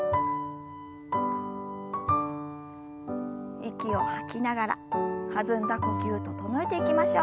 息を吐きながら弾んだ呼吸整えていきましょう。